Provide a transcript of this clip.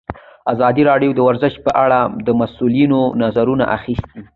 ازادي راډیو د ورزش په اړه د مسؤلینو نظرونه اخیستي.